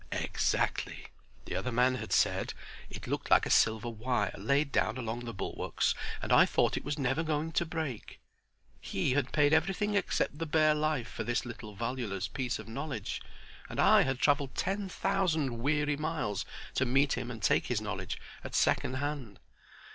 Exactly! The other man had said: "It looked like a silver wire laid down along the bulwarks, and I thought it was never going to break." He had paid everything except the bare life for this little valueless piece of knowledge, and I had traveled ten thousand weary miles to meet him and take his knowledge at second hand.